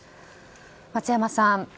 松山さん。